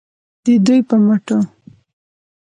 د دوی په مټه